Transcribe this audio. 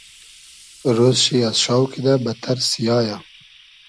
رۉز شی از شاو کیدۂ بئدتئر سیایۂ